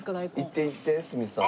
いっていって鷲見さん。